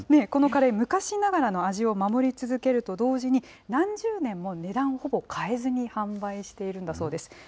このカレー、昔ながらの味を守り続けると同時に、何十年も値段をほぼ変えずに販売しているんだそうです。